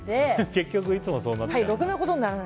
結局いつもそうなって。